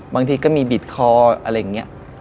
บางทีก็มีบิดคออะไรอย่างนี้